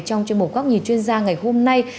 trong chuyên mục góc nhìn chuyên gia ngày hôm nay